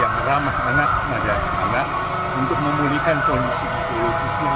yang ramah anak kepada anak untuk memulihkan kondisi psikologis